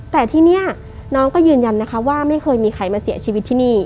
แต่ที่นี่น้องก็ยืนยันนะคะว่าไม่เคยมีใครมาเสียชีวิตที่นี่